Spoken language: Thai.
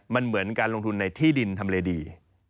มันเหมือนการลงทุนในที่ดินทำเลดี